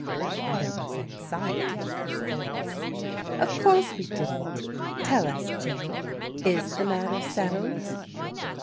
" and there was anxiety in his voice. "Of course we didn't. Tell us, Jim, is the matter settled?"